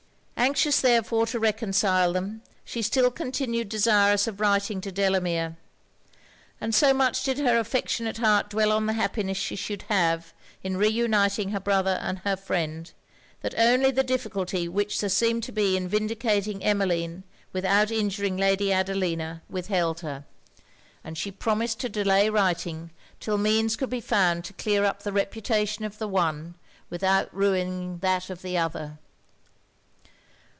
Anxious therefore to reconcile them, she still continued desirous of writing to Delamere. And so much did her affectionate heart dwell on the happiness she should have in re uniting her brother and her friend, that only the difficulty which there seemed to be in vindicating Emmeline without injuring Lady Adelina, withheld her; and she promised to delay writing 'till means could be found to clear up the reputation of the one without ruining that of the other.